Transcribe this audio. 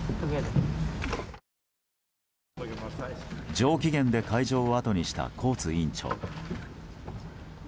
上機嫌で会場をあとにしたコーツ委員長。